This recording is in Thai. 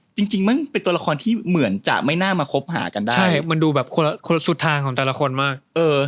จริงจริงมันเป็นตัวละครที่เหมือนจะไม่น่ามาคบหากันได้ใช่มันดูแบบคนสุดทางของแต่ละคนมากเออ